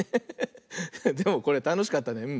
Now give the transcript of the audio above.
でもこれたのしかったね。